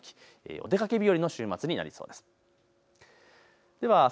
お出かけ日和の週末になりそうです。